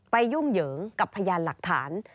ยุ่งเหยิงกับพยานหลักฐาน